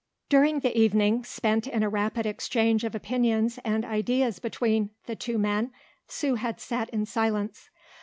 During the evening, spent in a rapid exchange of opinions and ideas between the two men, Sue had sat in silence.